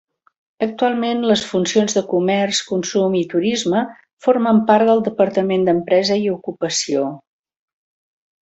Actualment, les funcions de Comerç, Consum i Turisme, formen part del Departament d'Empresa i Ocupació.